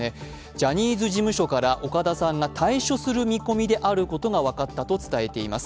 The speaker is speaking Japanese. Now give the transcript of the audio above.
ジャニーズ事務所から岡田さんが退所する見込みであることが分かったと伝えています。